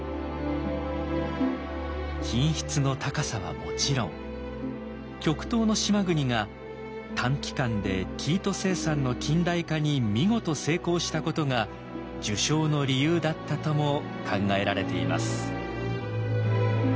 品質の高さはもちろん極東の島国が短期間で生糸生産の近代化に見事成功したことが受賞の理由だったとも考えられています。